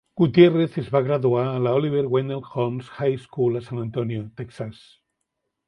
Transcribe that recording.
Gutierrez es va graduar a la Oliver Wendell Holmes High School a San Antonio, Texas.